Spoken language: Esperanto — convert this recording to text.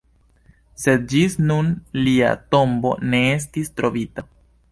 Sed ĝis nun lia tombo ne estis trovita.